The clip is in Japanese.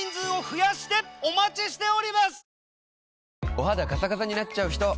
お肌カサカサになっちゃうひと？